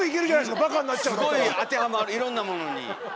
すごい当てはまるいろんなものに。